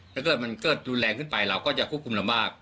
ถ้าเกิดมันเกิดรุนแรงขึ้นไปเราก็จะควบคุมเรามาก